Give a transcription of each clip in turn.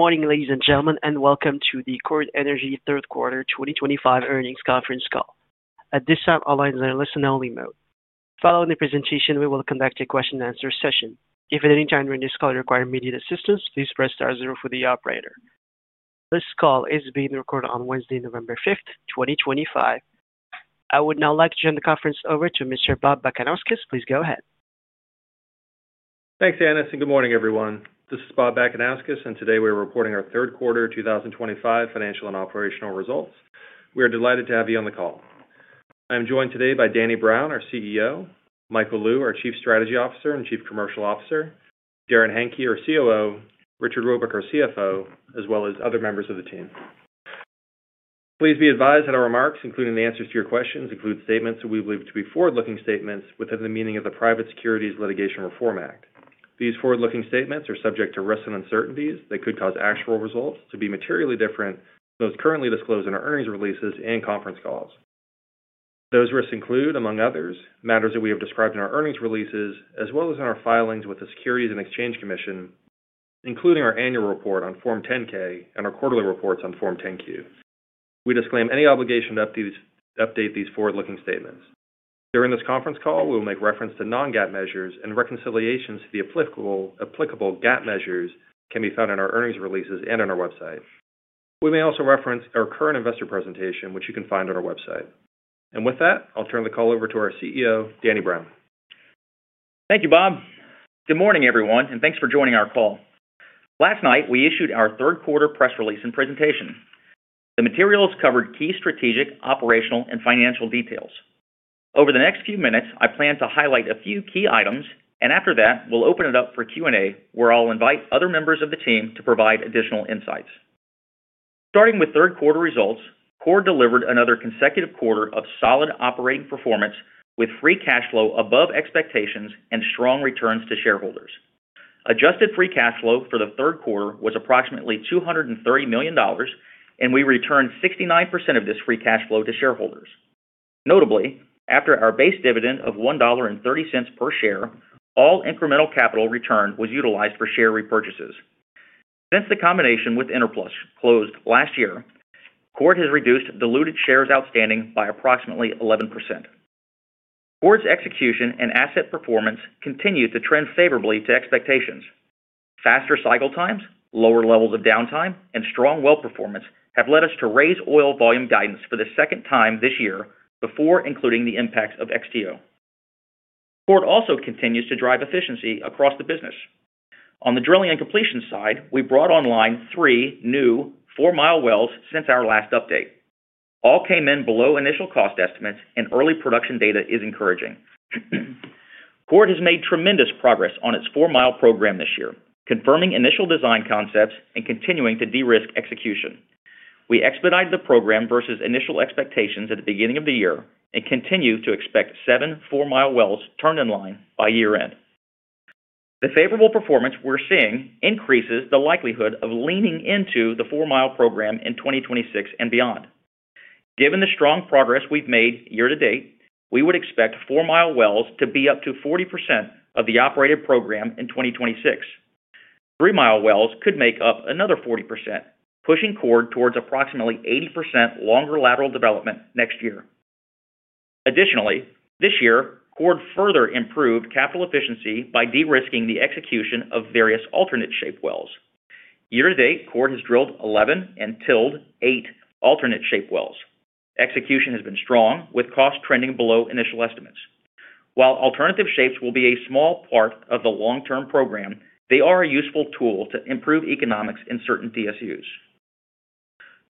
Good morning, ladies and gentlemen, and welcome to the Chord Energy third quarter 2025 earnings conference call. At this time, all lines are in listen-only mode. Following the presentation, we will conduct a question-and-answer session. If at any time during this call you require immediate assistance, please press star zero for the operator. This call is being recorded on Wednesday, November 5th, 2025. I would now like to turn the conference over to Mr. Bob Bakanauskas. Please go ahead. Thanks, Anis. Good morning, everyone. This is Bob Bakanauskas, and today we are reporting our third quarter 2025 financial and operational results. We are delighted to have you on the call. I am joined today by Danny Brown, our CEO; Michael Lou, our Chief Strategy Officer and Chief Commercial Officer; Darrin Henke, our COO; Richard Robuck, our CFO, as well as other members of the team. Please be advised that our remarks, including the answers to your questions, include statements that we believe to be forward-looking statements within the meaning of the Private Securities Litigation Reform Act. These forward-looking statements are subject to risks and uncertainties that could cause actual results to be materially different from those currently disclosed in our earnings releases and conference calls. Those risks include, among others, matters that we have described in our earnings releases as well as in our filings with the Securities and Exchange Commission, including our annual report on Form 10-K and our quarterly reports on Form 10-Q. We disclaim any obligation to update these forward-looking statements. During this conference call, we will make reference to non-GAAP measures, and reconciliations to the applicable GAAP measures can be found in our earnings releases and on our website. We may also reference our current investor presentation, which you can find on our website. With that, I'll turn the call over to our CEO, Danny Brown. Thank you, Bob. Good morning, everyone, and thanks for joining our call. Last night, we issued our third quarter press release and presentation. The materials covered key strategic, operational, and financial details. Over the next few minutes, I plan to highlight a few key items, and after that, we'll open it up for Q&A where I'll invite other members of the team to provide additional insights. Starting with third quarter results, Chord delivered another consecutive quarter of solid operating performance with free cash flow above expectations and strong returns to shareholders. Adjusted free cash flow for the third quarter was approximately $230 million, and we returned 69% of this free cash flow to shareholders. Notably, after our base dividend of $1.30 per share, all incremental capital return was utilized for share repurchases. Since the combination with Enerplus closed last year, Chord has reduced diluted shares outstanding by approximately 11%. Chord's execution and asset performance continue to trend favorably to expectations. Faster cycle times, lower levels of downtime, and strong well performance have led us to raise oil volume guidance for the second time this year before including the impacts of XTO. Chord also continues to drive efficiency across the business. On the drilling and completion side, we brought online three new 4-mile wells since our last update. All came in below initial cost estimates, and early production data is encouraging. Chord has made tremendous progress on its 4-mile program this year, confirming initial design concepts and continuing to de-risk execution. We expedited the program versus initial expectations at the beginning of the year and continue to expect seven 4-mile wells turned in line by year-end. The favorable performance we're seeing increases the likelihood of leaning into the 4-mile program in 2026 and beyond. Given the strong progress we've made year to date, we would expect 4-mile wells to be up to 40% of the operated program in 2026. 3-mile wells could make up another 40%, pushing Chord towards approximately 80% longer lateral development next year. Additionally, this year, Chord further improved capital efficiency by de-risking the execution of various alternate-shaped wells. Year-to-date, Chord has drilled 11 and TIL'd eight alternate-shaped wells. Execution has been strong, with costs trending below initial estimates. While alternate shapes will be a small part of the long-term program, they are a useful tool to improve economics in certain DSUs.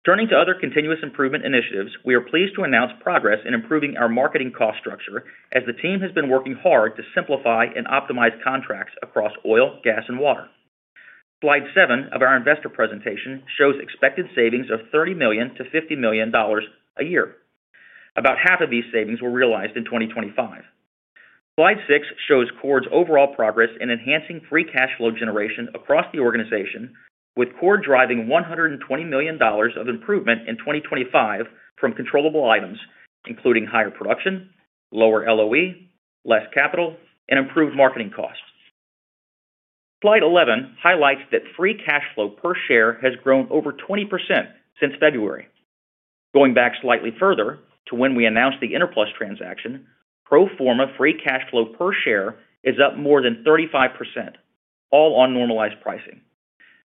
Turning to other continuous improvement initiatives, we are pleased to announce progress in improving our marketing cost structure as the team has been working hard to simplify and optimize contracts across oil, gas, and water. Slide seven of our investor presentation shows expected savings of $30 million-$50 million a year. About half of these savings were realized in 2025. Slide six shows Chord's overall progress in enhancing free cash flow generation across the organization, with Chord driving $120 million of improvement in 2025 from controllable items, including higher production, lower LOE, less capital, and improved marketing costs. Slide 11 highlights that free cash flow per share has grown over 20% since February. Going back slightly further to when we announced the Enerplus transaction, pro forma free cash flow per share is up more than 35%, all on normalized pricing.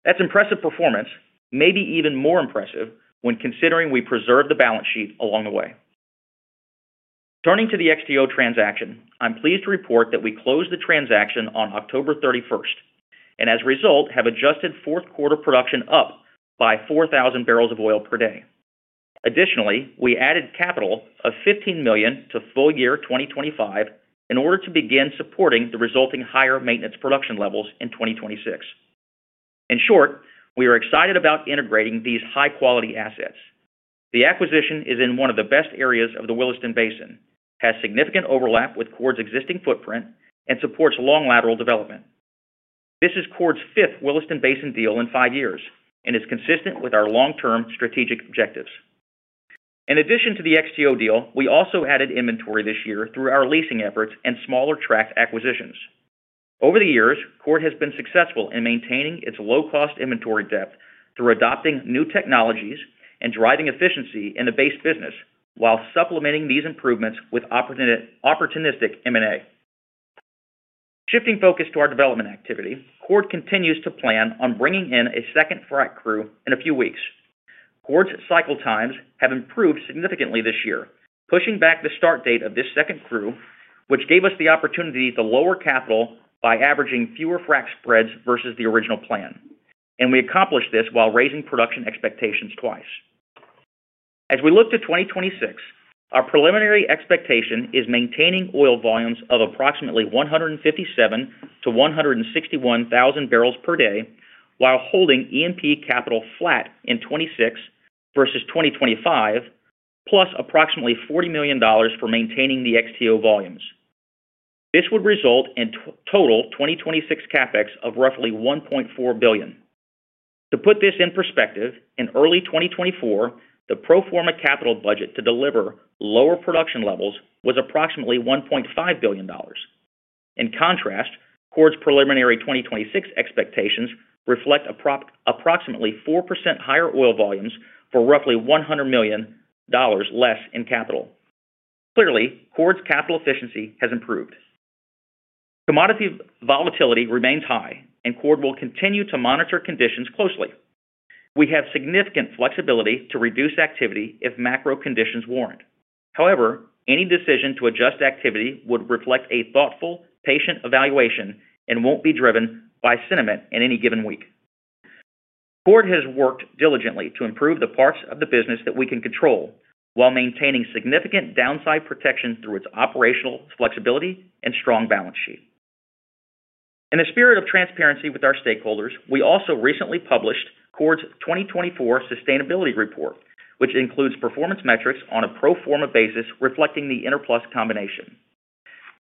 That is impressive performance, maybe even more impressive when considering we preserved the balance sheet along the way. Turning to the XTO transaction, I'm pleased to report that we closed the transaction on October 31st and, as a result, have adjusted fourth quarter production up by 4,000 bbl of oil per day. Additionally, we added capital of $15 million to full year 2025 in order to begin supporting the resulting higher maintenance production levels in 2026. In short, we are excited about integrating these high-quality assets. The acquisition is in one of the best areas of the Williston Basin, has significant overlap with Chord's existing footprint, and supports long lateral development. This is Chord's fifth Williston Basin deal in five years and is consistent with our long-term strategic objectives. In addition to the XTO deal, we also added inventory this year through our leasing efforts and smaller tracked acquisitions. Over the years, Chord has been successful in maintaining its low-cost inventory depth through adopting new technologies and driving efficiency in the base business while supplementing these improvements with opportunistic M&A. Shifting focus to our development activity, Chord continues to plan on bringing in a second frac crew in a few weeks. Chord's cycle times have improved significantly this year, pushing back the start date of this second crew, which gave us the opportunity to lower capital by averaging fewer frac spreads versus the original plan. We accomplished this while raising production expectations twice. As we look to 2026, our preliminary expectation is maintaining oil volumes of approximately 157,000 bbl-161,000 bbl per day while holding E&P capital flat in 2026 versus 2025, plus approximately $40 million for maintaining the XTO volumes. This would result in total 2026 CapEx of roughly $1.4 billion. To put this in perspective, in early 2024, the pro forma capital budget to deliver lower production levels was approximately $1.5 billion. In contrast, Chord's preliminary 2026 expectations reflect approximately 4% higher oil volumes for roughly $100 million less in capital. Clearly, Chord's capital efficiency has improved. Commodity volatility remains high, and Chord will continue to monitor conditions closely. We have significant flexibility to reduce activity if macro conditions warrant. However, any decision to adjust activity would reflect a thoughtful, patient evaluation and will not be driven by sentiment in any given week. Chord has worked diligently to improve the parts of the business that we can control while maintaining significant downside protection through its operational flexibility and strong balance sheet. In the spirit of transparency with our stakeholders, we also recently published Chord's 2024 sustainability report, which includes performance metrics on a pro forma basis reflecting the Enerplus combination.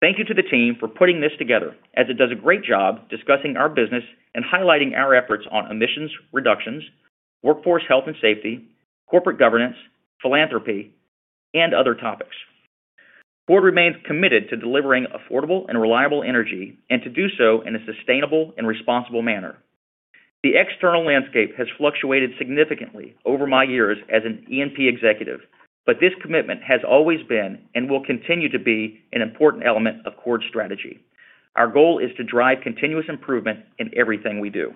Thank you to the team for putting this together, as it does a great job discussing our business and highlighting our efforts on emissions, reductions, workforce health and safety, corporate governance, philanthropy, and other topics. Chord remains committed to delivering affordable and reliable energy and to do so in a sustainable and responsible manner. The external landscape has fluctuated significantly over my years as an E&P executive, but this commitment has always been and will continue to be an important element of Chord's strategy. Our goal is to drive continuous improvement in everything we do.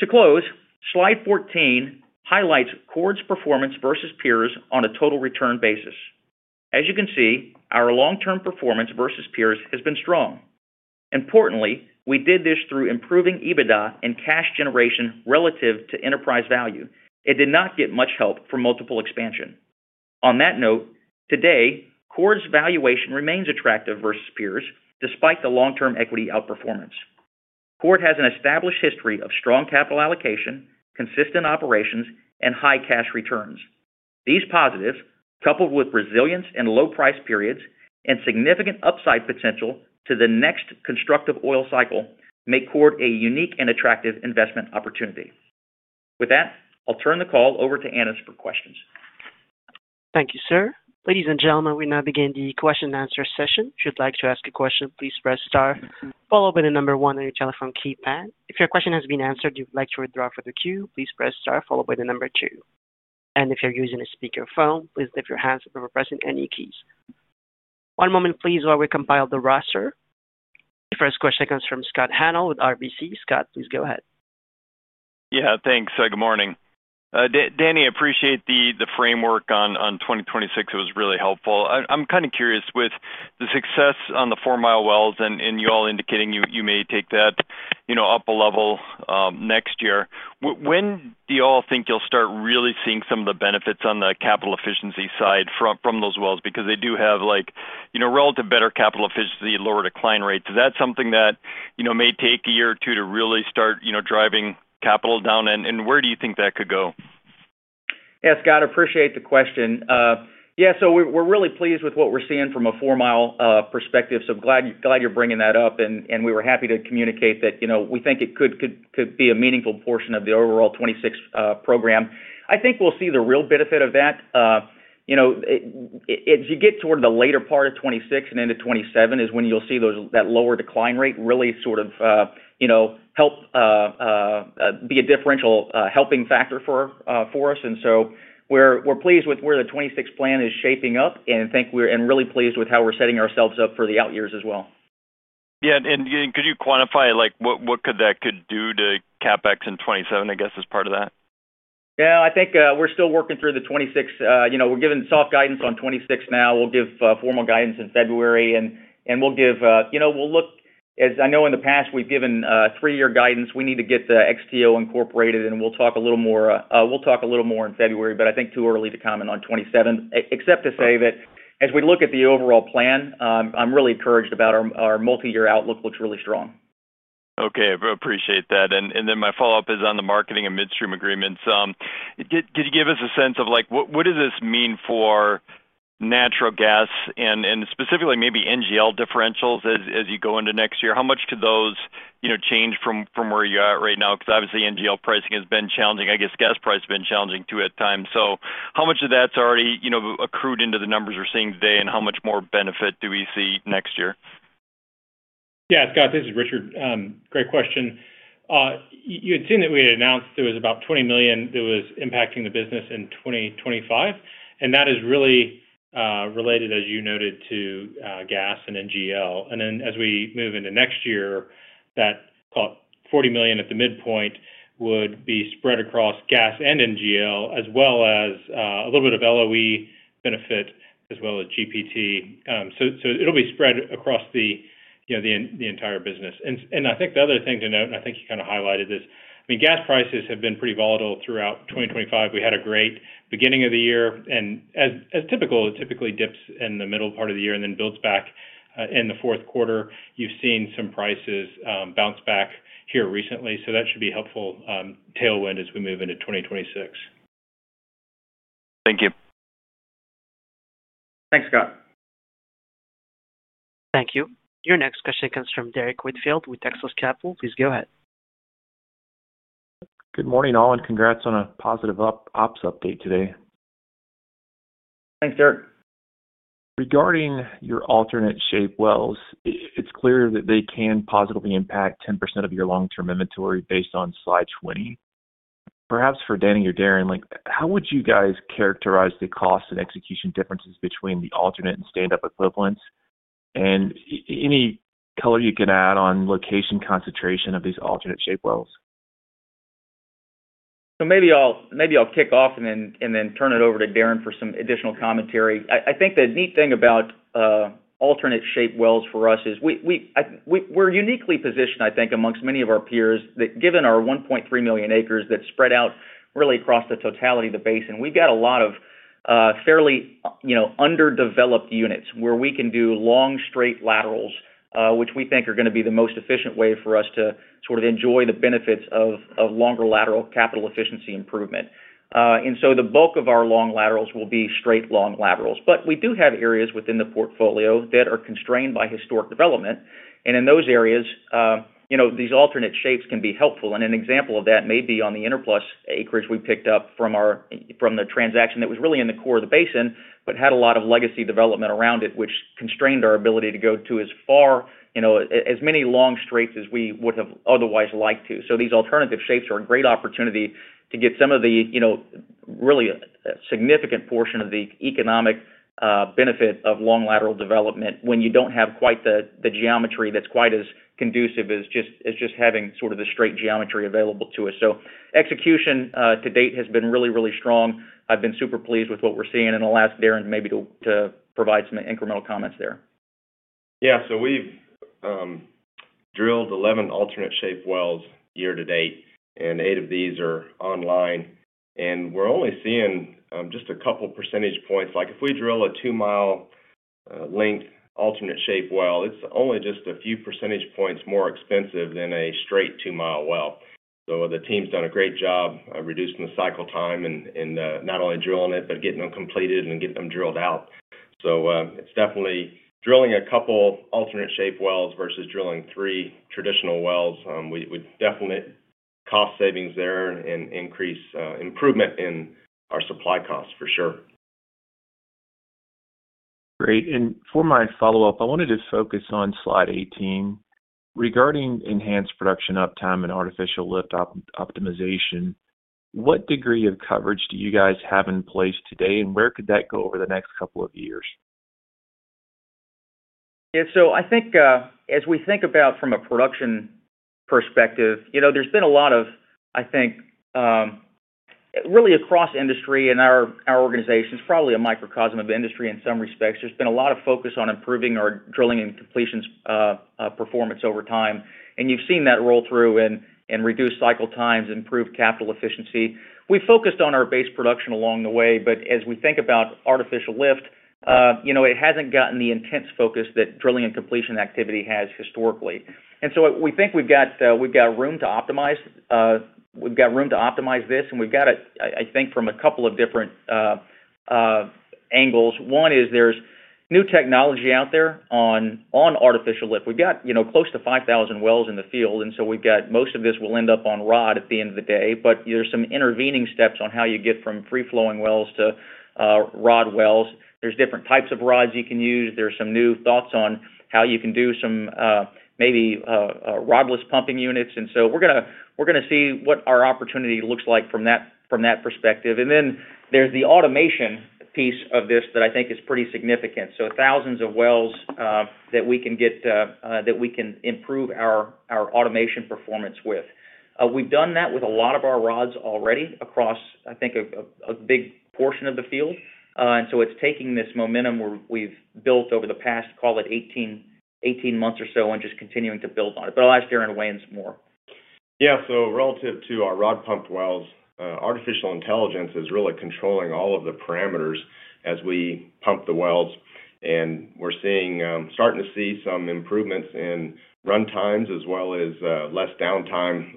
To close, Slide 14 highlights Chord's performance versus peers on a total return basis. As you can see, our long-term performance versus peers has been strong. Importantly, we did this through improving EBITDA and cash generation relative to enterprise value. It did not get much help from multiple expansion. On that note, today, Chord's valuation remains attractive versus peers despite the long-term equity outperformance. Chord has an established history of strong capital allocation, consistent operations, and high cash returns. These positives, coupled with resilience in low-price periods and significant upside potential to the next constructive oil cycle, make Chord a unique and attractive investment opportunity. With that, I'll turn the call over to Anis for questions. Thank you, sir. Ladies and gentlemen, we now begin the question-and-answer session. If you'd like to ask a question, please press star, followed by the number one on your telephone keypad. If your question has been answered and you'd like to withdraw from the queue, please press star, followed by the number two. If you're using a speakerphone, please lift your hands before pressing any keys. One moment, please, while we compile the roster. The first question comes from Scott Hanold with RBC. Scott, please go ahead. Yeah, thanks. Good morning. Danny, I appreciate the framework on 2026. It was really helpful. I'm kind of curious, with the success on the 4-mile wells and you all indicating you may take that up a level next year, when do you all think you'll start really seeing some of the benefits on the capital efficiency side from those wells? Because they do have relative better capital efficiency, lower decline rates. Is that something that may take a year or two to really start driving capital down? Where do you think that could go? Yeah, Scott, I appreciate the question. Yeah, we are really pleased with what we are seeing from a 4-mile perspective. I am glad you are bringing that up. We were happy to communicate that we think it could be a meaningful portion of the overall 2026 program. I think we will see the real benefit of that as you get toward the later part of 2026 and into 2027, which is when you will see that lower decline rate really sort of help be a differential helping factor for us. We are pleased with where the 2026 plan is shaping up and really pleased with how we are setting ourselves up for the out years as well. Yeah. Could you quantify what that could do to CapEx in 2027, I guess, as part of that? Yeah, I think we're still working through the 2026. We're giving soft guidance on 2026 now. We'll give formal guidance in February. We'll look, as I know in the past, we've given three-year guidance. We need to get the XTO incorporated, and we'll talk a little more, we'll talk a little more in February, but I think too early to comment on 2027, except to say that as we look at the overall plan, I'm really encouraged about our multi-year outlook, looks really strong. Okay. I appreciate that. My follow-up is on the marketing and midstream agreements. Could you give us a sense of what does this mean for natural gas and specifically maybe NGL differentials as you go into next year? How much could those change from where you're at right now? Because obviously, NGL pricing has been challenging. I guess gas price has been challenging too at times. How much of that's already accrued into the numbers we're seeing today, and how much more benefit do we see next year? Yeah, Scott, this is Richard. Great question. You had seen that we had announced there was about $20 million that was impacting the business in 2025. That is really related, as you noted, to gas and NGL. As we move into next year, that $40 million at the midpoint would be spread across gas and NGL, as well as a little bit of LOE benefit, as well as GPT. It will be spread across the entire business. I think the other thing to note, and I think you kind of highlighted this, I mean, gas prices have been pretty volatile throughout 2025. We had a great beginning of the year. As typical, it typically dips in the middle part of the year and then builds back in the fourth quarter. You have seen some prices bounce back here recently. That should be a helpful tailwind as we move into 2026. Thank you. Thanks, Scott. Thank you. Your next question comes from Derrick Whitfield with Texas Capital. Please go ahead. Good morning, Alan. Congrats on a positive ops update today. Thanks, Derek. Regarding your alternate-shaped wells, it's clear that they can positively impact 10% of your long-term inventory based on slide 20. Perhaps for Danny or Darrin, how would you guys characterize the cost and execution differences between the alternate and stand-up equivalents? Any color you can add on location concentration of these alternate-shaped wells? Maybe I'll kick off and then turn it over to Darrin for some additional commentary. I think the neat thing about alternate-shaped wells for us is we're uniquely positioned, I think, amongst many of our peers that, given our 1.3 million acres that spread out really across the totality of the basin, we've got a lot of fairly underdeveloped units where we can do long straight laterals, which we think are going to be the most efficient way for us to sort of enjoy the benefits of longer lateral capital efficiency improvement. The bulk of our long laterals will be straight long laterals. We do have areas within the portfolio that are constrained by historic development, and in those areas, these alternate shapes can be helpful. An example of that may be on the Enerplus acreage we picked up from the transaction that was really in the core of the basin but had a lot of legacy development around it, which constrained our ability to go to as far, as many long straights as we would have otherwise liked to. These alternative shapes are a great opportunity to get some of the really significant portion of the economic benefit of long lateral development when you do not have quite the geometry that is quite as conducive as just having sort of the straight geometry available to us. Execution to date has been really, really strong. I have been super pleased with what we are seeing. I will ask Darrin maybe to provide some incremental comments there. Yeah. So we've drilled 11 alternate-shaped wells year to date, and eight of these are online. We're only seeing just a couple percentage points. If we drill a 2-mile length alternate-shaped well, it's only just a few percentage points more expensive than a straight 2-mile well. The team's done a great job reducing the cycle time and not only drilling it, but getting them completed and getting them drilled out. It's definitely drilling a couple alternate-shaped wells versus drilling three traditional wells. We definitely see cost savings there and improvement in our supply costs, for sure. Great. For my follow-up, I wanted to focus on slide 18. Regarding enhanced production uptime and artificial lift optimization, what degree of coverage do you guys have in place today, and where could that go over the next couple of years? Yeah. I think as we think about from a production perspective, there's been a lot of, I think, really across industry and our organization, it's probably a microcosm of industry in some respects. There's been a lot of focus on improving our drilling and completions performance over time. You've seen that roll through and reduce cycle times, improve capital efficiency. We focused on our base production along the way, but as we think about artificial lift, it hasn't gotten the intense focus that drilling and completion activity has historically. We think we've got room to optimize. We've got room to optimize this. We've got it, I think, from a couple of different angles. One is there's new technology out there on artificial lift. We've got close to 5,000 wells in the field. We have most of this that will end up on rod at the end of the day. There are some intervening steps on how you get from free-flowing wells to rod wells. There are different types of rods you can use. There are some new thoughts on how you can do some maybe rodless pumping units. We are going to see what our opportunity looks like from that perspective. There is the automation piece of this that I think is pretty significant. There are thousands of wells that we can improve our automation performance with. We have done that with a lot of our rods already across, I think, a big portion of the field. It is taking this momentum we have built over the past, call it, 18 months or so and just continuing to build on it. I will ask Darrin to weigh in some more. Yeah. So relative to our rod pump wells, artificial intelligence is really controlling all of the parameters as we pump the wells. We're starting to see some improvements in run times as well as less downtime.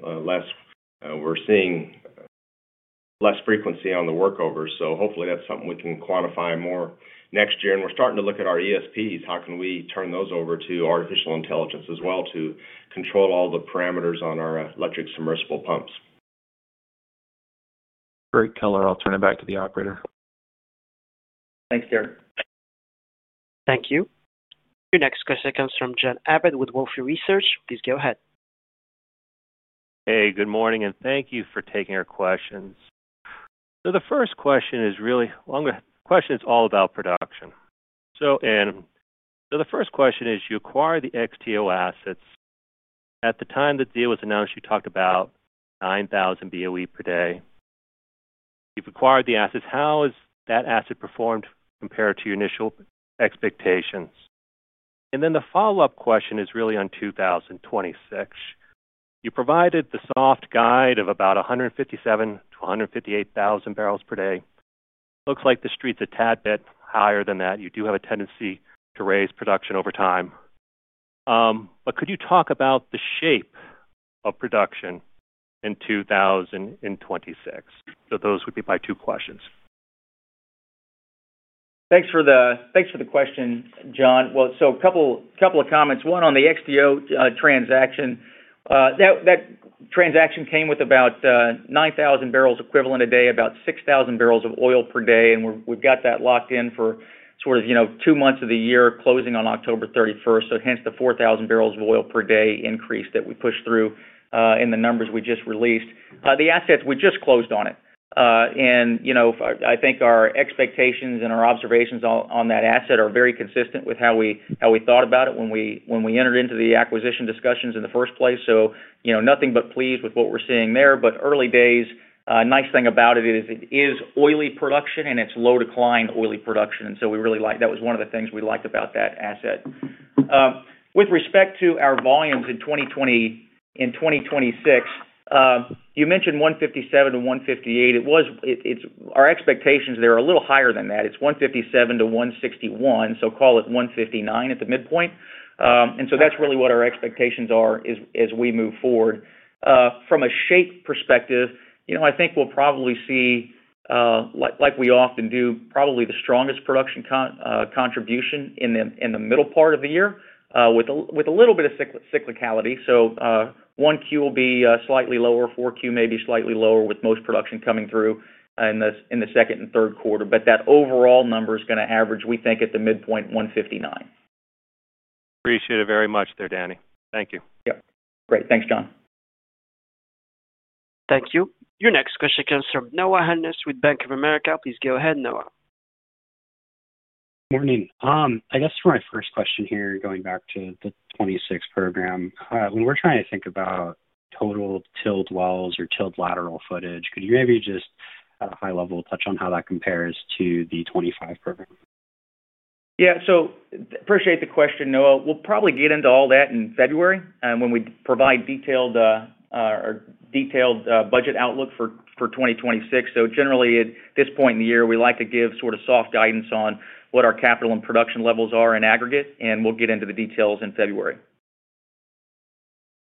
We're seeing less frequency on the workovers. Hopefully, that's something we can quantify more next year. We're starting to look at our ESPs. How can we turn those over to artificial intelligence as well to control all the parameters on our electric submersible pumps? Great color. I'll turn it back to the operator. Thanks, Derek. Thank you. Your next question comes from John Abbott with Wolfe Research. Please go ahead. Hey, good morning. Thank you for taking our questions. The first question is really, the question is all about production. The first question is, you acquired the XTO assets. At the time the deal was announced, you talked about 9,000 BOE per day. You have acquired the assets. How has that asset performed compared to your initial expectations? The follow-up question is on 2026. You provided the soft guide of about 157,000 bbl-158,000 bbl per day. Looks like that it's are a tad bit higher than that. You do have a tendency to raise production over time. Could you talk about the shape of production in 2026? Those would be my two questions. Thanks for the question, John. A couple of comments. One on the XTO transaction. That transaction came with about 9,000 bbl equivalent a day, about 6,000 bbl of oil per day. We have that locked in for sort of two months of the year, closing on October 31st. Hence the 4,000 bbl of oil per day increase that we pushed through in the numbers we just released. The asset, we just closed on it. I think our expectations and our observations on that asset are very consistent with how we thought about it when we entered into the acquisition discussions in the first place. Nothing but pleased with what we are seeing there. Early days, a nice thing about it is it is oily production, and it is low-decline oily production. We really liked that. That was one of the things we liked about that asset. With respect to our volumes in 2026, you mentioned 157,000-158,000. Our expectations there are a little higher than that. It's 157,000-161,000, so call it 159,000 at the midpoint. That is really what our expectations are as we move forward. From a shape perspective, I think we'll probably see, like we often do, probably the strongest production contribution in the middle part of the year with a little bit of cyclicality. 1Q will be slightly lower, 4Q may be slightly lower, with most production coming through in the second and third quarter. That overall number is going to average, we think, at the midpoint, 159,000. Appreciate it very much there, Danny. Thank you. Yep. Great. Thanks, John. Thank you. Your next question comes from Noah Hungness with Bank of America. Please go ahead, Noah. Morning. I guess for my first question here, going back to the 2026 program, when we're trying to think about total TIL'd wells or TIL'd lateral footage, could you maybe just at a high level touch on how that compares to the 2025 program? Yeah. So appreciate the question, Noah. We'll probably get into all that in February when we provide detailed budget outlook for 2026. So generally, at this point in the year, we like to give sort of soft guidance on what our capital and production levels are in aggregate. And we'll get into the details in February.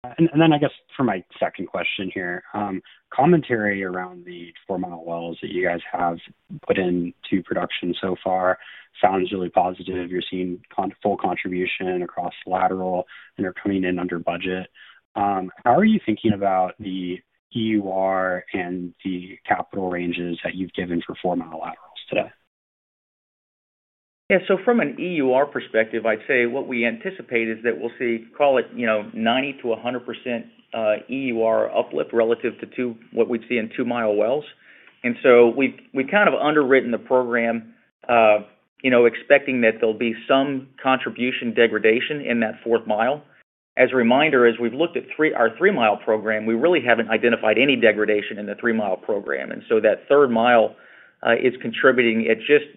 I guess for my second question here, commentary around the 4-mile wells that you guys have put into production so far sounds really positive. You're seeing full contribution across lateral and are coming in under budget. How are you thinking about the EUR and the capital ranges that you've given for 4-mile laterals today? Yeah. So from an EUR perspective, I'd say what we anticipate is that we'll see, call it, 90%-100% EUR uplift relative to what we'd see in 2-mile wells. And so we've kind of underwritten the program expecting that there'll be some contribution degradation in that fourth mile. As a reminder, as we've looked at our 3-mile program, we really haven't identified any degradation in the 3-mile program. And so that third mile is contributing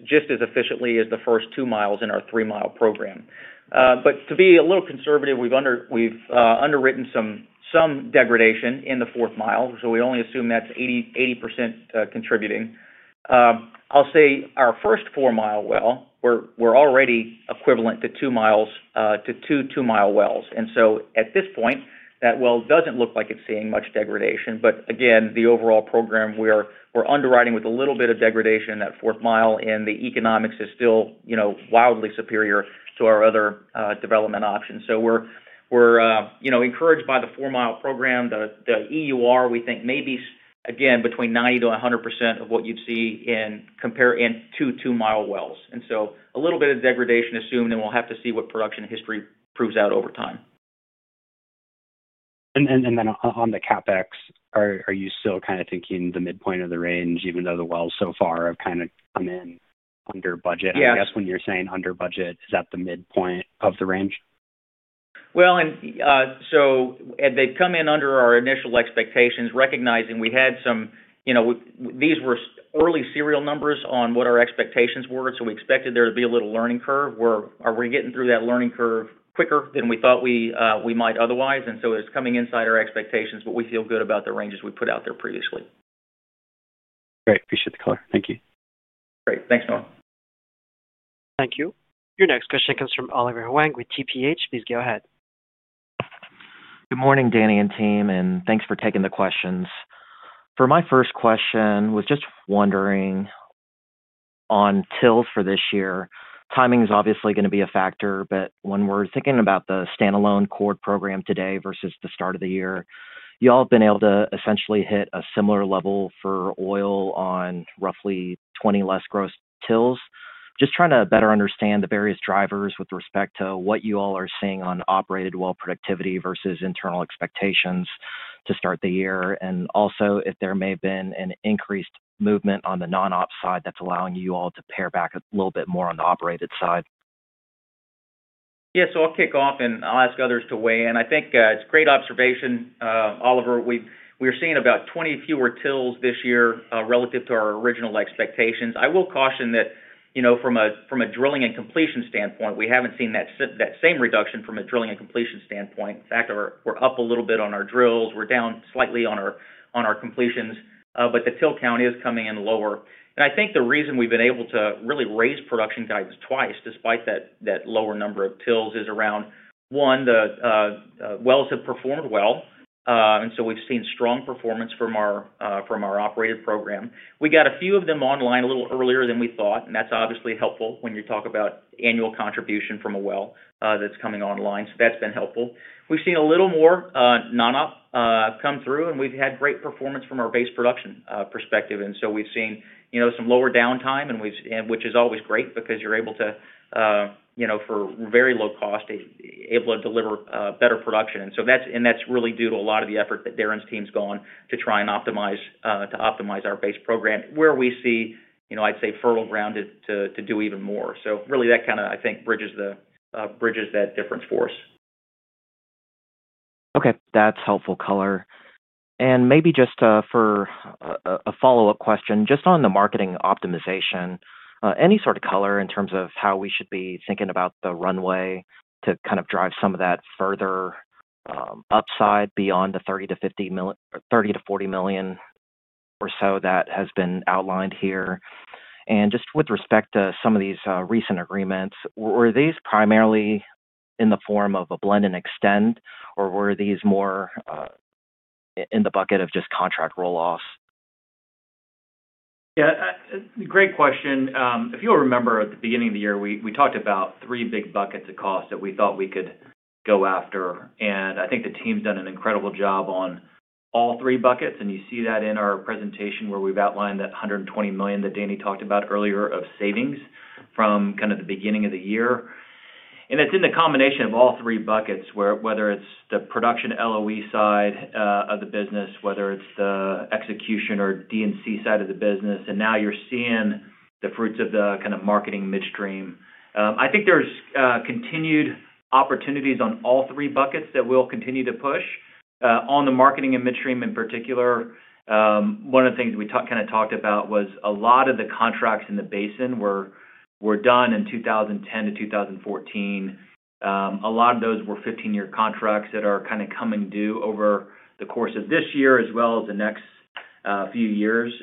just as efficiently as the first two miles in our 3-mile program. To be a little conservative, we've underwritten some degradation in the fourth mile. So we only assume that's 80% contributing. I'll say our first 4-mile well, we're already equivalent to two miles to two 2-mile wells. At this point, that well doesn't look like it's seeing much degradation. Again, the overall program, we're underwriting with a little bit of degradation in that fourth mile. The economics is still wildly superior to our other development options. We are encouraged by the 4-mile program. The EUR, we think, may be, again, between 90%-100% of what you would see in two 2-mile wells. A little bit of degradation is assumed, and we will have to see what production history proves out over time. On the CapEx, are you still kind of thinking the midpoint of the range, even though the wells so far have kind of come in under budget? I guess when you're saying under budget, is that the midpoint of the range? They've come in under our initial expectations, recognizing we had some. These were early serial numbers on what our expectations were. We expected there to be a little learning curve. Are we getting through that learning curve quicker than we thought we might otherwise? It's coming inside our expectations, but we feel good about the ranges we put out there previously. Great. Appreciate the color. Thank you. Great. Thanks, Noah. Thank you. Your next question comes from Oliver Huang with TPH. Please go ahead. Good morning, Danny and team. Thanks for taking the questions. For my first question, I was just wondering. On TILs for this year, timing is obviously going to be a factor. When we're thinking about the standalone core program today versus the start of the year, y'all have been able to essentially hit a similar level for oil on roughly 20 less gross TILs. Just trying to better understand the various drivers with respect to what you all are seeing on operated well productivity versus internal expectations to start the year, and also if there may have been an increased movement on the non-op side that's allowing you all to pare back a little bit more on the operated side. Yeah. I'll kick off, and I'll ask others to weigh in. I think it's a great observation, Oliver. We're seeing about 20 fewer TILs this year relative to our original expectations. I will caution that from a drilling and completion standpoint, we haven't seen that same reduction from a drilling and completion standpoint. In fact, we're up a little bit on our drills. We're down slightly on our completions. The TIL count is coming in lower. I think the reason we've been able to really raise production guidance twice despite that lower number of TILs is around, one, the wells have performed well. We've seen strong performance from our operated program. We got a few of them online a little earlier than we thought. That's obviously helpful when you talk about annual contribution from a well that's coming online. That's been helpful. We've seen a little more non-op come through. We've had great performance from our base production perspective. We've seen some lower downtime, which is always great because you're able to, for very low cost, deliver better production. That's really due to a lot of the effort that Darrin's team's gone to try and optimize our base program, where we see, I'd say, fertile ground to do even more. That kind of, I think, bridges that difference for us. Okay. That's helpful color. Maybe just for a follow-up question, just on the marketing optimization, any sort of color in terms of how we should be thinking about the runway to kind of drive some of that further upside beyond the $30 million-$40 million or so that has been outlined here? Just with respect to some of these recent agreements, were these primarily in the form of a blend and extend, or were these more in the bucket of just contract roll-offs? Yeah. Great question. If you'll remember, at the beginning of the year, we talked about three big buckets of cost that we thought we could go after. I think the team's done an incredible job on all three buckets. You see that in our presentation where we've outlined that $120 million that Danny talked about earlier of savings from kind of the beginning of the year. It's in the combination of all three buckets, whether it's the production LOE side of the business, whether it's the execution or D&C side of the business. Now you're seeing the fruits of the kind of marketing midstream. I think there's continued opportunities on all three buckets that we'll continue to push. On the marketing and midstream in particular. One of the things we kind of talked about was a lot of the contracts in the basin were done in 2010 to 2014. A lot of those were 15-year contracts that are kind of coming due over the course of this year as well as the next few years.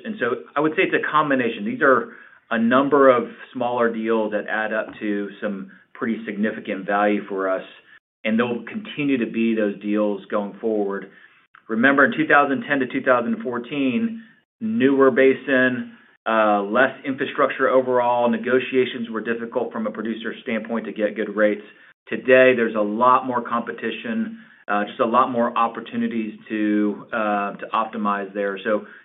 I would say it is a combination. These are a number of smaller deals that add up to some pretty significant value for us. They will continue to be those deals going forward. Remember, in 2010 to 2014, newer basin, less infrastructure overall, negotiations were difficult from a producer's standpoint to get good rates. Today, there is a lot more competition, just a lot more opportunities to optimize there.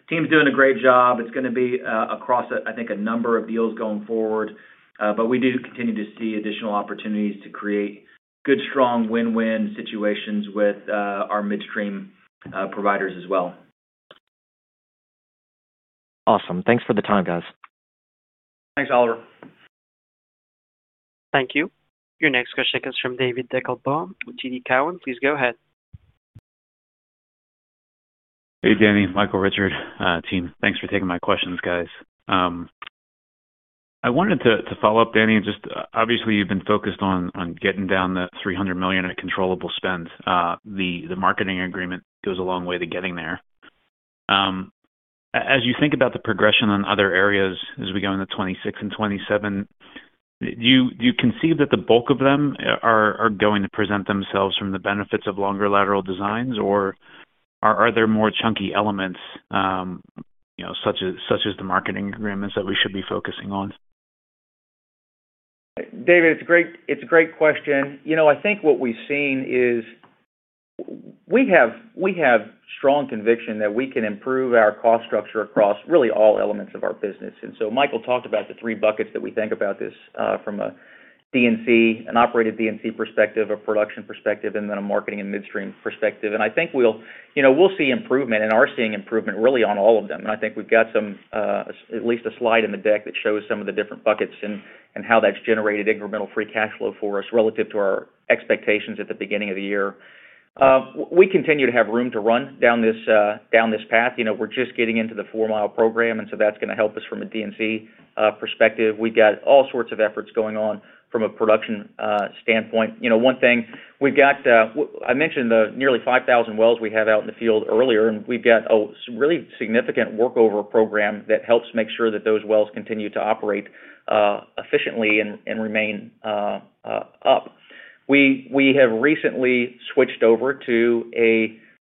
Team's doing a great job. It is going to be across, I think, a number of deals going forward. We do continue to see additional opportunities to create good, strong win-win situations with our midstream providers as well. Awesome. Thanks for the time, guys. Thanks, Oliver. Thank you. Your next question comes from David Deckelbaum with TD Cowen. Please go ahead. Hey, Danny. Michael, Richard, team. Thanks for taking my questions, guys. I wanted to follow up, Danny. Just obviously, you've been focused on getting down the $300 million at controllable spend. The marketing agreement goes a long way to getting there. As you think about the progression on other areas as we go into 2026 and 2027. Do you conceive that the bulk of them are going to present themselves from the benefits of longer lateral designs, or are there more chunky elements such as the marketing agreements that we should be focusing on? David, it's a great question. I think what we've seen is we have strong conviction that we can improve our cost structure across really all elements of our business. Michael talked about the three buckets that we think about this from a D&C, an operated D&C perspective, a production perspective, and then a marketing and midstream perspective. I think we'll see improvement and are seeing improvement really on all of them. I think we've got at least a slide in the deck that shows some of the different buckets and how that's generated incremental free cash flow for us relative to our expectations at the beginning of the year. We continue to have room to run down this path. We're just getting into the 4-mile program. That's going to help us from a D&C perspective. We've got all sorts of efforts going on from a production standpoint. One thing, we've got, I mentioned the nearly 5,000 wells we have out in the field earlier, and we've got a really significant workover program that helps make sure that those wells continue to operate efficiently and remain up. We have recently switched over to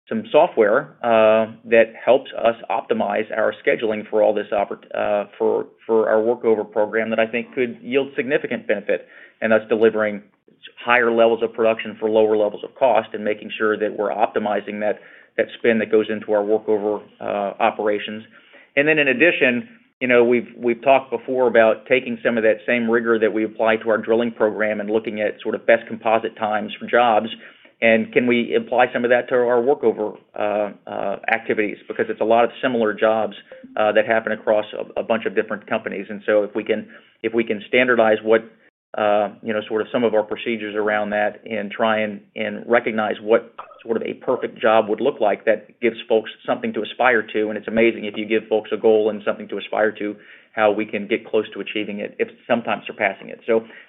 some software that helps us optimize our scheduling for all this, for our workover program that I think could yield significant benefit. That's delivering higher levels of production for lower levels of cost and making sure that we're optimizing that spend that goes into our workover operations. In addition, we've talked before about taking some of that same rigor that we apply to our drilling program and looking at sort of best composite times for jobs. Can we apply some of that to our workover activities? Because it's a lot of similar jobs that happen across a bunch of different companies. If we can standardize what sort of some of our procedures around that and try and recognize what sort of a perfect job would look like, that gives folks something to aspire to. It's amazing if you give folks a goal and something to aspire to, how we can get close to achieving it, if sometimes surpassing it.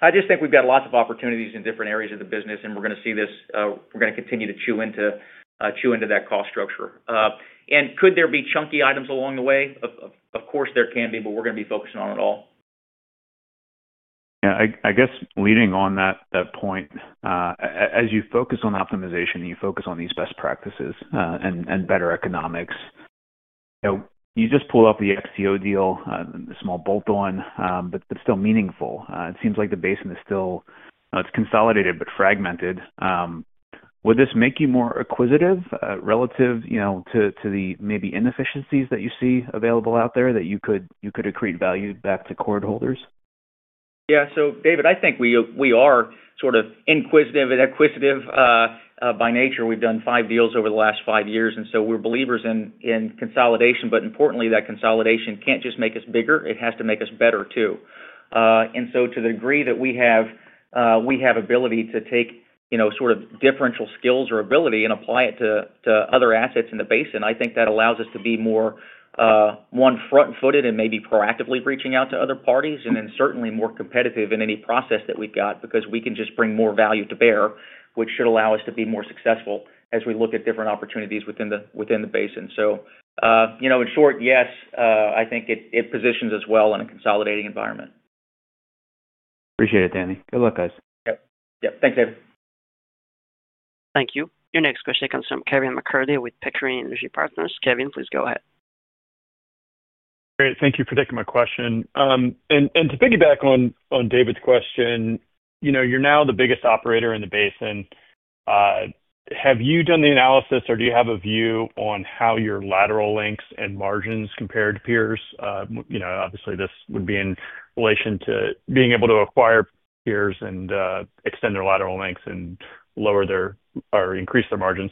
I just think we've got lots of opportunities in different areas of the business, and we're going to see this. We're going to continue to chew into that cost structure. Could there be chunky items along the way? Of course, there can be, but we're going to be focusing on it all. Yeah. I guess leading on that point. As you focus on optimization and you focus on these best practices and better economics. You just pulled up the XTO deal, the small bolt one, but still meaningful. It seems like the basin is still. It's consolidated but fragmented. Would this make you more acquisitive relative to the maybe inefficiencies that you see available out there that you could accrete value back to Chord holders? Yeah. So David, I think we are sort of inquisitive and acquisitive by nature. We've done five deals over the last five years. And so we're believers in consolidation. Importantly, that consolidation can't just make us bigger. It has to make us better too. To the degree that we have ability to take sort of differential skills or ability and apply it to other assets in the basin, I think that allows us to be more one-front-footed and maybe proactively reaching out to other parties and then certainly more competitive in any process that we've got because we can just bring more value to bear, which should allow us to be more successful as we look at different opportunities within the basin. In short, yes, I think it positions us well in a consolidating environment. Appreciate it, Danny. Good luck, guys. Yep. Yep. Thanks, David. Thank you. Your next question comes from Kevin MacCurdy with Pickering Energy Partners. Kevin, please go ahead. Great. Thank you for taking my question. To piggyback on David's question, you're now the biggest operator in the basin. Have you done the analysis, or do you have a view on how your lateral lengths and margins compare to peers? Obviously, this would be in relation to being able to acquire peers and extend their lateral lengths and lower their or increase their margins.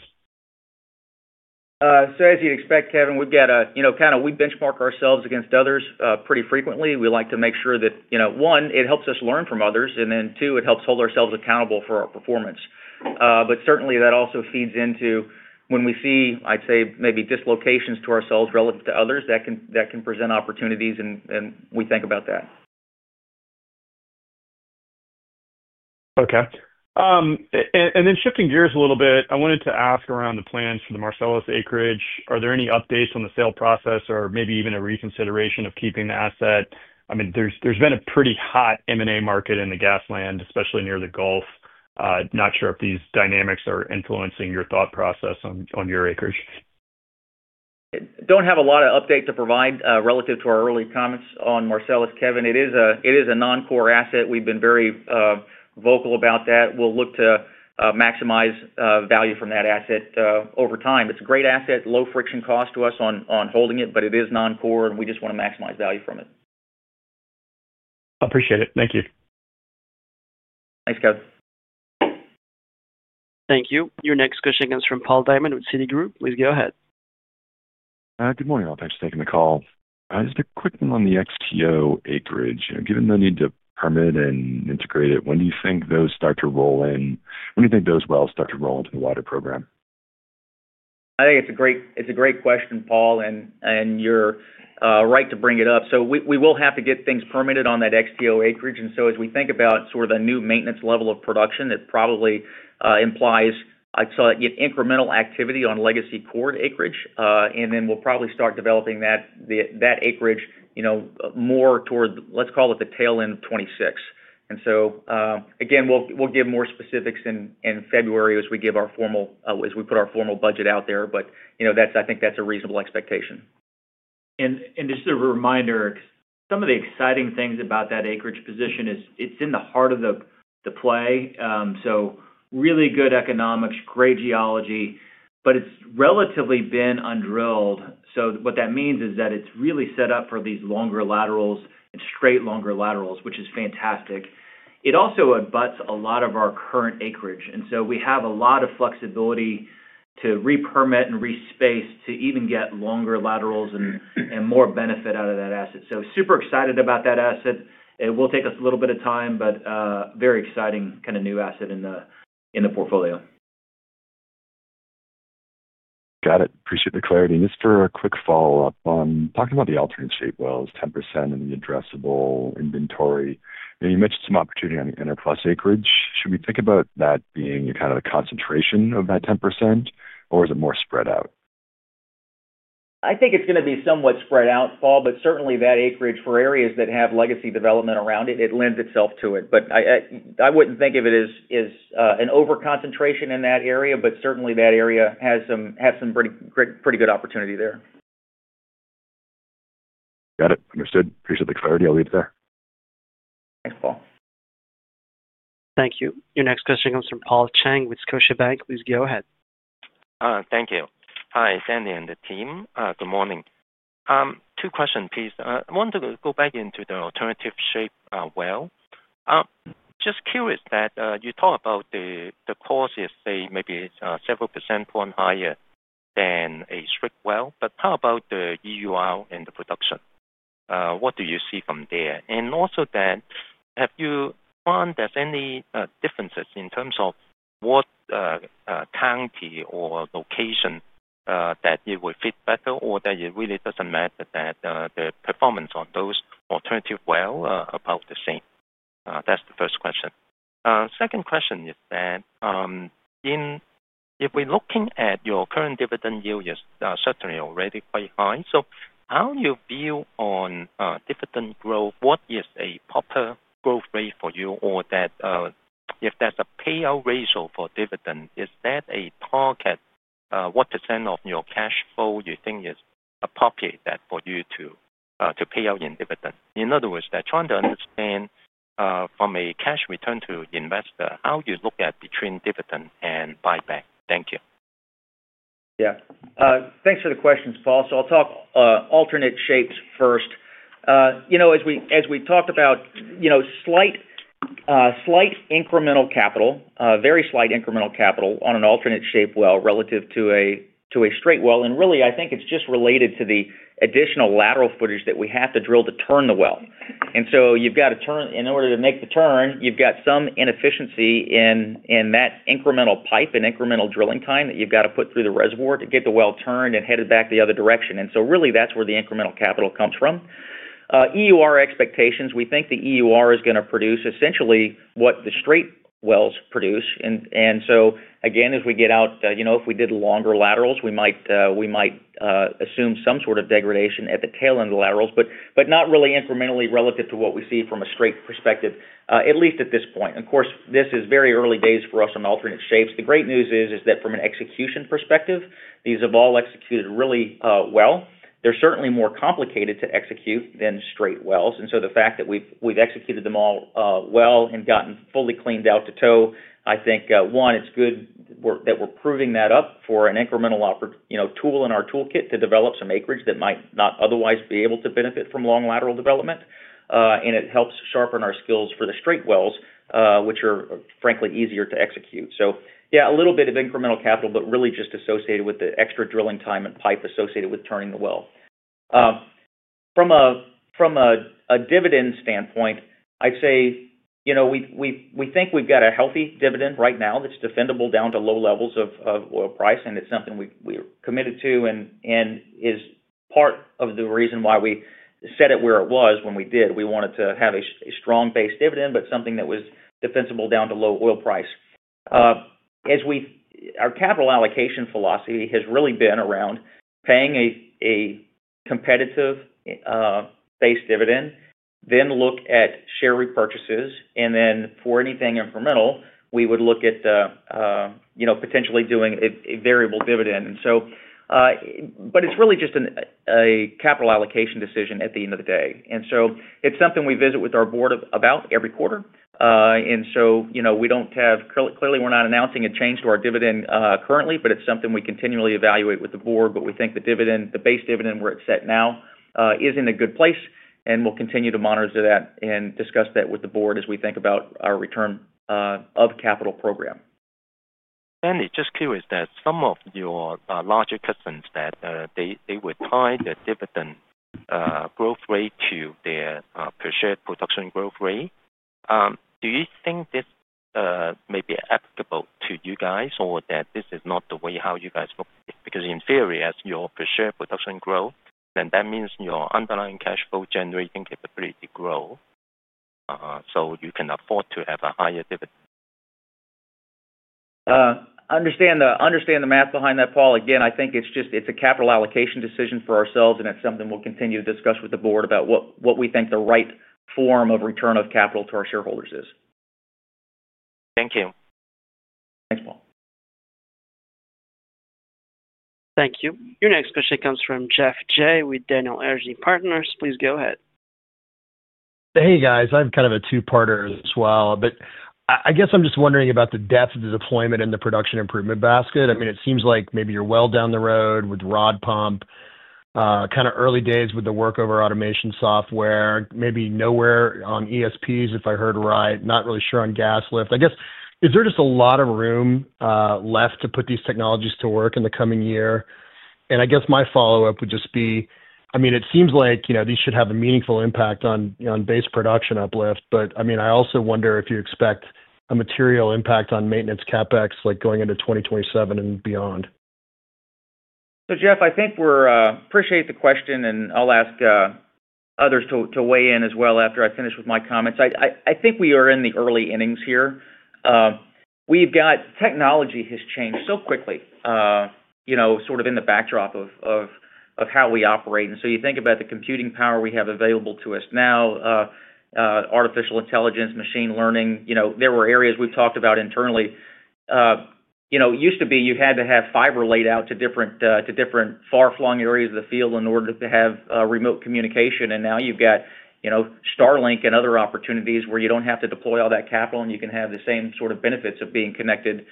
As you'd expect, Kevin, we've got to kind of we benchmark ourselves against others pretty frequently. We like to make sure that, one, it helps us learn from others. And then two, it helps hold ourselves accountable for our performance. Certainly, that also feeds into when we see, I'd say, maybe dislocations to ourselves relative to others, that can present opportunities, and we think about that. Okay. Shifting gears a little bit, I wanted to ask around the plans for the Marcellus acreage. Are there any updates on the sale process or maybe even a reconsideration of keeping the asset? I mean, there's been a pretty hot M&A market in the gas land, especially near the Gulf. Not sure if these dynamics are influencing your thought process on your acreage. Don't have a lot of update to provide relative to our early comments on Marcellus, Kevin. It is a non-core asset. We've been very vocal about that. We'll look to maximize value from that asset over time. It's a great asset, low friction cost to us on holding it, but it is non-core, and we just want to maximize value from it. Appreciate it. Thank you. Thanks, Kevin. Thank you. Your next question comes from Paul Diamond with Citigroup. Please go ahead. Good morning, all. Thanks for taking the call. Just a quick one on the XTO acreage. Given the need to permit and integrate it, when do you think those start to roll in? When do you think those wells start to roll into the wider program? I think it's a great question, Paul, and you're right to bring it up. We will have to get things permitted on that XTO acreage. As we think about sort of the new maintenance level of production, it probably implies, I'd say, incremental activity on legacy Chord acreage. We'll probably start developing that acreage more toward, let's call it, the tail end of 2026. Again, we'll give more specifics in February as we put our formal budget out there. I think that's a reasonable expectation. Just a reminder, some of the exciting things about that acreage position is it's in the heart of the play. Really good economics, great geology, but it's relatively been un-drilled. What that means is that it's really set up for these longer laterals and straight longer laterals, which is fantastic. It also abuts a lot of our current acreage. We have a lot of flexibility to re-permit and respace to even get longer laterals and more benefit out of that asset. Super excited about that asset. It will take us a little bit of time, but very exciting kind of new asset in the portfolio. Got it. Appreciate the clarity. Just for a quick follow-up, talking about the alternate shape wells, 10% in the addressable inventory, you mentioned some opportunity on the Interplus acreage. Should we think about that being kind of the concentration of that 10%, or is it more spread out? I think it's going to be somewhat spread out, Paul, but certainly that acreage for areas that have legacy development around it, it lends itself to it. I wouldn't think of it as an overconcentration in that area, but certainly that area has some pretty good opportunity there. Got it. Understood. Appreciate the clarity. I'll leave it there. Thanks, Paul. Thank you. Your next question comes from Paul Cheng with Scotiabank. Please go ahead. Thank you. Hi, and the team. Good morning. Two questions, please. I want to go back into the alternative shape well. Just curious that you talk about the cost is, say, maybe several percentage points higher than a straight well, but how about the EUR and the production? What do you see from there? Also, have you found there's any differences in terms of what county or location that it would fit better or that it really does not matter that the performance on those alternative wells is about the same? That is the first question. Second question is that if we are looking at your current dividend yield, you are certainly already quite high. How do you view on dividend growth? What is a proper growth rate for you? Or if there is a payout ratio for dividend, is that a target? What percent of your cash flow do you think is appropriate for you to pay out in dividend? In other words, they're trying to understand. From a cash return to investor, how you look at between dividend and buyback. Thank you. Yeah. Thanks for the questions, Paul. I'll talk alternate shapes first. As we talked about, slight incremental capital, very slight incremental capital on an alternate shape well relative to a straight well. I think it's just related to the additional lateral footage that we have to drill to turn the well. You've got to turn, in order to make the turn, you've got some inefficiency in that incremental pipe and incremental drilling time that you've got to put through the reservoir to get the well turned and headed back the other direction. That's where the incremental capital comes from. EUR expectations, we think the EUR is going to produce essentially what the straight wells produce. Again, as we get out, if we did longer laterals, we might. Assume some sort of degradation at the tail end of the laterals, but not really incrementally relative to what we see from a straight perspective, at least at this point. Of course, this is very early days for us on alternate shapes. The great news is that from an execution perspective, these have all executed really well. They're certainly more complicated to execute than straight wells. The fact that we've executed them all well and gotten fully cleaned out to toe, I think, one, it's good that we're proving that up for an incremental tool in our toolkit to develop some acreage that might not otherwise be able to benefit from long lateral development. It helps sharpen our skills for the straight wells, which are frankly easier to execute. Yeah, a little bit of incremental capital, but really just associated with the extra drilling time and pipe associated with turning the well. From a dividend standpoint, I'd say we think we've got a healthy dividend right now that's defendable down to low levels of oil price, and it's something we're committed to and is part of the reason why we set it where it was when we did. We wanted to have a strong base dividend, but something that was defensible down to low oil price. Our capital allocation philosophy has really been around paying a competitive base dividend, then look at share repurchases. Then for anything incremental, we would look at potentially doing a variable dividend. It's really just a capital allocation decision at the end of the day. It's something we visit with our board about every quarter. We do not have, clearly, we are not announcing a change to our dividend currently, but it is something we continually evaluate with the board. We think the dividend, the base dividend where it is at now, is in a good place. We will continue to monitor that and discuss that with the board as we think about our return of capital program. Just curious that some of your larger customers, that they would tie the dividend growth rate to their per share production growth rate. Do you think this may be applicable to you guys or that this is not the way how you guys look at it? Because in theory, as your per share production grows, then that means your underlying cash flow generating capability to grow. You can afford to have a higher dividend. Understand the math behind that, Paul. Again, I think it's just a capital allocation decision for ourselves, and it's something we'll continue to discuss with the board about what we think the right form of return of capital to our shareholders is. Thank you. Thanks, Paul. Thank you. Your next question comes from Geoff Jay with Daniel Energy Partners. Please go ahead. Hey, guys. I'm kind of a two-parter as well. I guess I'm just wondering about the depth of the deployment in the production improvement basket. I mean, it seems like maybe you're well down the road with rod pump. Kind of early days with the workover automation software, maybe nowhere on ESPs, if I heard right. Not really sure on gas lift. I guess, is there just a lot of room left to put these technologies to work in the coming year? I guess my follow-up would just be, I mean, it seems like these should have a meaningful impact on base production uplift. I also wonder if you expect a material impact on maintenance CapEx going into 2027 and beyond. Jeff, I think we appreciate the question, and I'll ask others to weigh in as well after I finish with my comments. I think we are in the early innings here. Technology has changed so quickly, sort of in the backdrop of how we operate. You think about the computing power we have available to us now. Artificial intelligence, machine learning, there were areas we've talked about internally. It used to be you had to have fiber laid out to different far-flung areas of the field in order to have remote communication. Now you've got Starlink and other opportunities where you do not have to deploy all that capital, and you can have the same sort of benefits of being connected.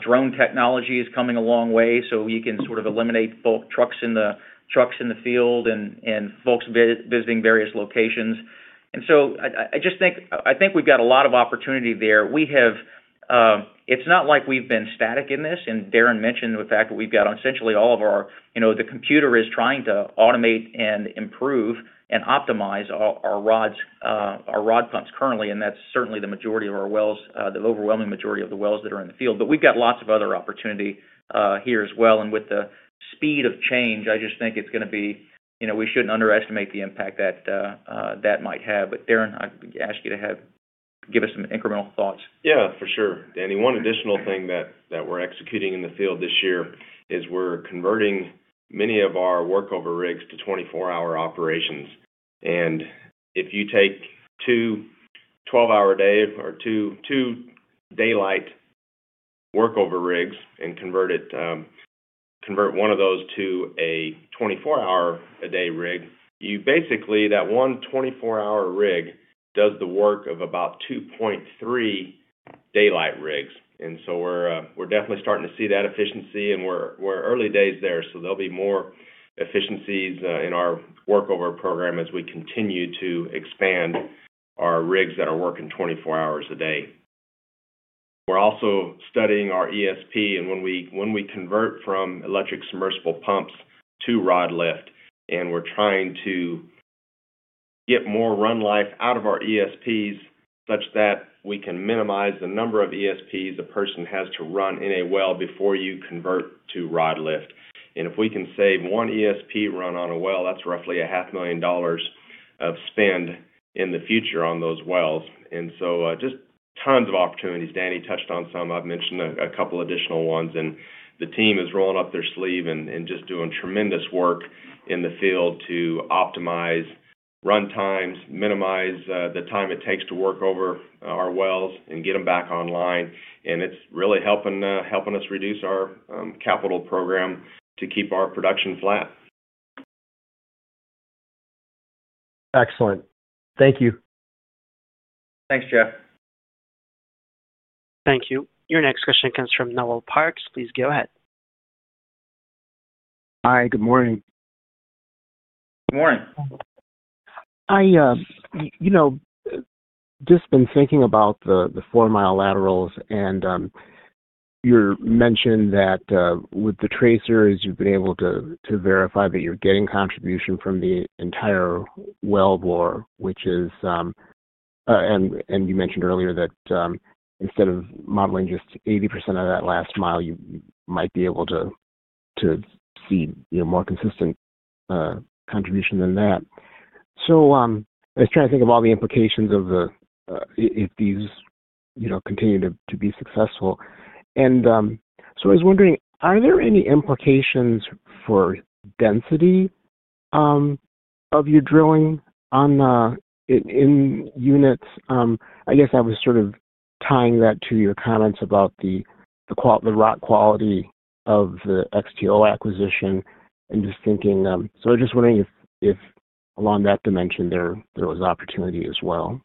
Drone technology is coming a long way, so you can sort of eliminate trucks in the field and folks visiting various locations. I just think we have got a lot of opportunity there. It is not like we have been static in this. Darrin mentioned the fact that we have got essentially all of our, the computer is trying to automate and improve and optimize our rod pumps currently. That is certainly the majority of our wells, the overwhelming majority of the wells that are in the field. We have got lots of other opportunity here as well. With the speed of change, I just think it is going to be, we should not underestimate the impact that might have. Darrin, I would ask you to give us some incremental thoughts. Yeah, for sure. Danny, one additional thing that we're executing in the field this year is we're converting many of our workover rigs to 24-hour operations. If you take two 12-hour a day or two daylight workover rigs and convert one of those to a 24-hour a day rig, you basically, that one 24-hour rig does the work of about 2.3 daylight rigs. We're definitely starting to see that efficiency, and we're early days there. There will be more efficiencies in our workover program as we continue to expand our rigs that are working 24 hours a day. We're also studying our ESP, and when we convert from electric submersible pumps to rod lift, and we're trying to. Get more run life out of our ESPs such that we can minimize the number of ESPs a person has to run in a well before you convert to rod lift. If we can save one ESP run on a well, that's roughly $500,000 of spend in the future on those wells. Just tons of opportunities. Danny touched on some. I've mentioned a couple of additional ones. The team is rolling up their sleeve and just doing tremendous work in the field to optimize run times, minimize the time it takes to work over our wells, and get them back online. It's really helping us reduce our capital program to keep our production flat. Excellent. Thank you. Thanks, Geoff. Thank you. Your next question comes from Noel Parks. Please go ahead. Hi, good morning. Good morning. I just been thinking about the 4-mile laterals, and you mentioned that with the tracers, you've been able to verify that you're getting contribution from the entire wellbore, which is. You mentioned earlier that instead of modeling just 80% of that last mile, you might be able to see more consistent contribution than that. I was trying to think of all the implications of if these continue to be successful. I was wondering, are there any implications for density of your drilling in units? I guess I was sort of tying that to your comments about the rock quality of the XTO acquisition and just thinking. I was just wondering if along that dimension, there was opportunity as well.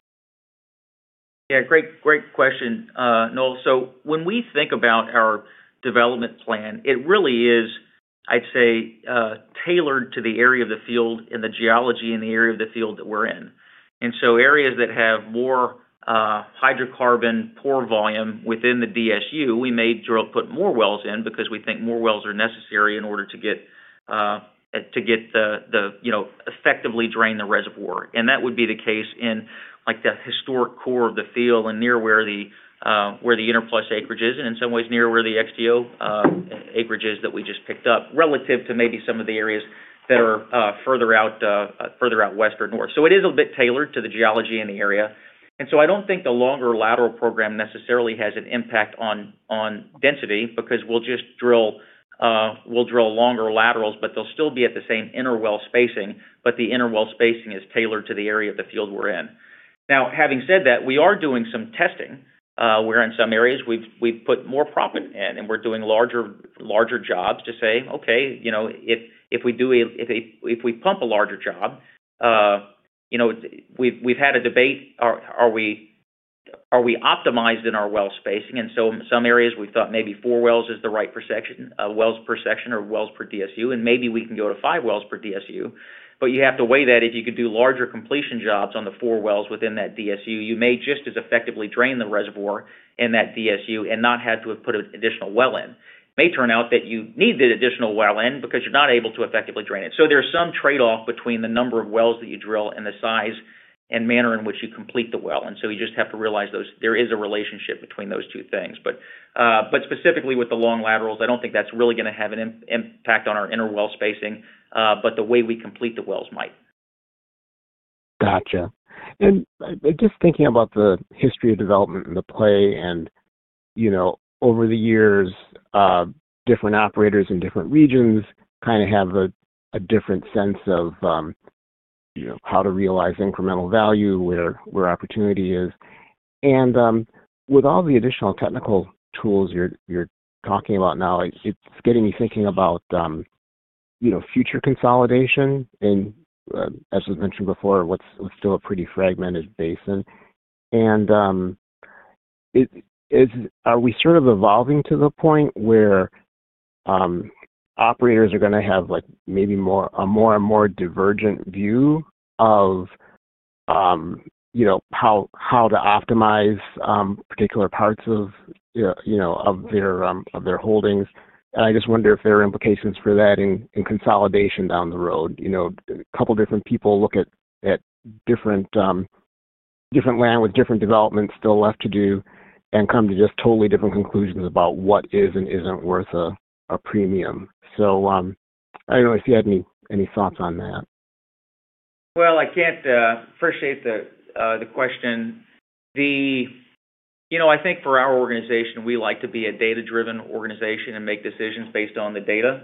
Yeah, great question, Noel. When we think about our development plan, it really is, I'd say, tailored to the area of the field and the geology in the area of the field that we're in. Areas that have more hydrocarbon pore volume within the DSU, we may put more wells in because we think more wells are necessary in order to effectively drain the reservoir. That would be the case in the historic core of the field and near where the Interplus acreage is and in some ways near where the XTO acreage is that we just picked up relative to maybe some of the areas that are further out west or north. It is a bit tailored to the geology in the area. I don't think the longer lateral program necessarily has an impact on density because we'll just drill. Longer laterals, but they'll still be at the same inner well spacing, but the inner well spacing is tailored to the area of the field we're in. Now, having said that, we are doing some testing. We're in some areas we've put more proppant in, and we're doing larger jobs to say, "Okay, if we do. If we pump a larger job." We've had a debate, are we optimized in our well spacing? In some areas, we thought maybe four wells is the right per section or wells per DSU, and maybe we can go to five wells per DSU. You have to weigh that if you could do larger completion jobs on the four wells within that DSU, you may just as effectively drain the reservoir in that DSU and not have to put an additional well in. It may turn out that you need the additional well in because you're not able to effectively drain it. There is some trade-off between the number of wells that you drill and the size and manner in which you complete the well. You just have to realize there is a relationship between those two things. Specifically with the long laterals, I do not think that's really going to have an impact on our inner well spacing, but the way we complete the wells might. Gotcha. Just thinking about the history of development in the play. Over the years, different operators in different regions kind of have a different sense of how to realize incremental value, where opportunity is. With all the additional technical tools you're talking about now, it's getting me thinking about future consolidation. As we mentioned before, it's still a pretty fragmented basin. Are we sort of evolving to the point where operators are going to have maybe a more and more divergent view of how to optimize particular parts of their holdings? I just wonder if there are implications for that in consolidation down the road. A couple of different people look at different land with different developments still left to do and come to just totally different conclusions about what is and isn't worth a premium. I don't know if you had any thoughts on that. I can't appreciate the question. I think for our organization, we like to be a data-driven organization and make decisions based on the data.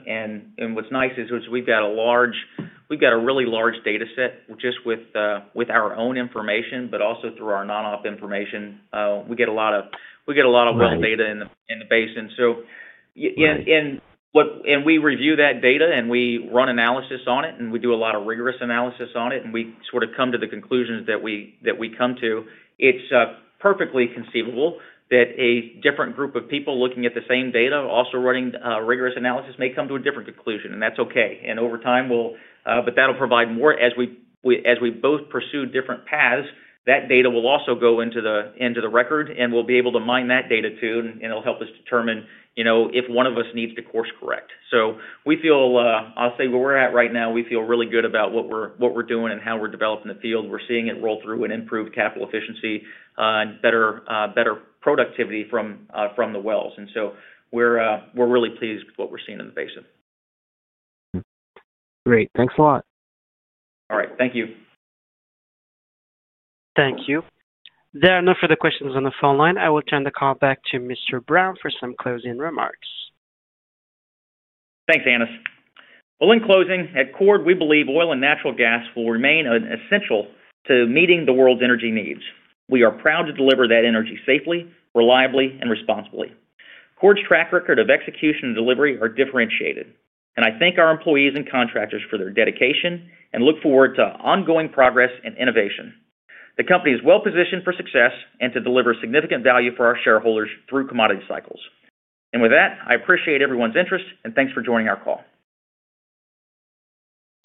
What's nice is we've got a really large data set just with our own information, but also through our non-op information. We get a lot of well data in the basin. We review that data, and we run analysis on it, and we do a lot of rigorous analysis on it, and we sort of come to the conclusions that we come to. It's perfectly conceivable that a different group of people looking at the same data, also running rigorous analysis, may come to a different conclusion. That's okay. Over time, that'll provide more as we both pursue different paths. That data will also go into the record, and we'll be able to mine that data too, and it'll help us determine if one of us needs to course correct. I'll say where we're at right now, we feel really good about what we're doing and how we're developing the field. We're seeing it roll through and improve capital efficiency and better productivity from the wells. We are really pleased with what we're seeing in the basin. Great. Thanks a lot. All right. Thank you. Thank you. There are no further questions on the phone line. I will turn the call back to Mr. Brown for some closing remarks. Thanks, Anis. In closing, at Chord, we believe oil and natural gas will remain essential to meeting the world's energy needs. We are proud to deliver that energy safely, reliably, and responsibly. Chord's track record of execution and delivery are differentiated. I thank our employees and contractors for their dedication and look forward to ongoing progress and innovation. The company is well positioned for success and to deliver significant value for our shareholders through commodity cycles. I appreciate everyone's interest, and thanks for joining our call.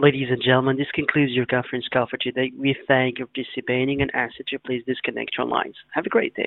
Ladies and gentlemen, this concludes your conference call for today. We thank you for participating and ask that you please disconnect your lines. Have a great day.